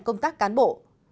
công tác cán bộ